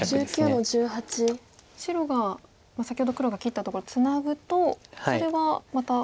白が先ほど黒が切ったところツナぐとそれはまた。